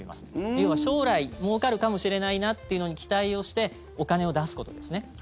要は将来もうかるかもしれないなっていうのに期待をしてお金を出すことですね。